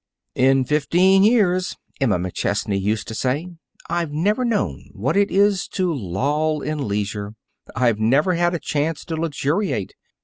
"In fifteen years," Emma McChesney used to say, "I've never known what it is to loll in leisure. I've never had a chance to luxuriate.